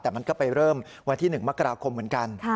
แต่มันก็ไปเริ่มวันที่๑มกราคมเหมือนกัน